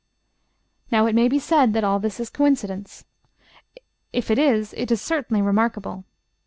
Now it may be said that all this is coincidence. If it is, it is certainly remarkable.